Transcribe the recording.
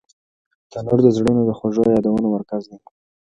تنور د زړونو د خوږو یادونو مرکز دی